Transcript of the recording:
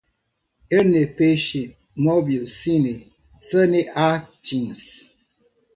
Enerpeixe, Mobi Cine, Saneatins